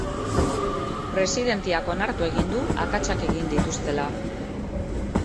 Presidenteak onartu egin du akatsak egin dituztela.